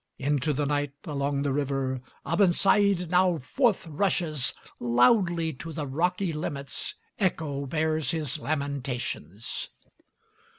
Into the night, along the river, Abensaïd now forth rushes: Loudly to the rocky limits, Echo bears his lamentations.